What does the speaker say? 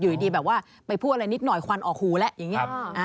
อยู่ดีแบบว่าไปพูดอะไรนิดหน่อยควันออกหูแล้วอย่างนี้